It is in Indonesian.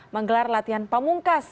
menggelar latihan pamungkas